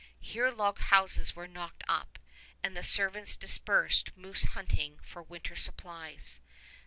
Here log houses were knocked up, and the servants dispersed moose hunting for winter supplies.